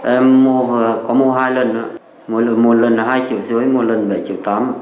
em có mua hai lần một lần là hai triệu dưới một lần là bảy triệu tám